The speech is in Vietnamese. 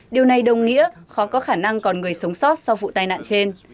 điều này đồng nghĩa khó có khả năng còn người sống sót sau vụ tai nạn trên